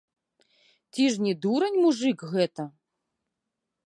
Ці ж не дурань мужык гэта?